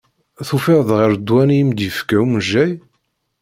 Tufiḍ ɣer ddwa-nni i m-d-ifka umejjay?